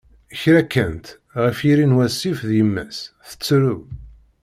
kra kkant, ɣef yiri n wasif d yemma-s, tettru.